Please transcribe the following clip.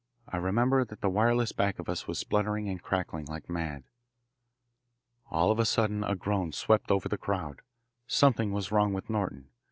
I remember that the wireless back of us was spluttering and crackling like mad. All of a sudden a groan swept over the crowd. Something was wrong with Norton.